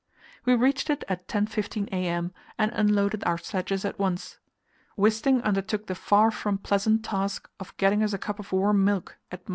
We reached it at 10.15 a.m., and unloaded our sledges at once. Wisting undertook the far from pleasant task of getting us a cup of warm milk at 68.